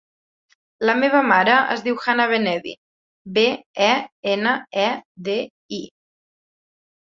La meva mare es diu Hanna Benedi: be, e, ena, e, de, i.